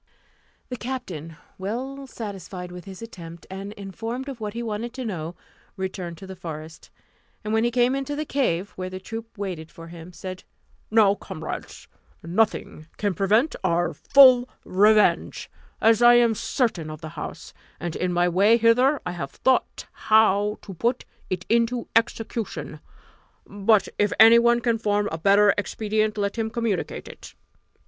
The captain, well satisfied with his attempt, and informed of what he wanted to know, returned to the forest; and when he came into the cave, where the troop waited for him, said, "Now, comrades, nothing can prevent our full revenge, as I am certain of the house; and in my way hither I have thought how to put it into execution, but if any one can form a better expedient, let him communicate it."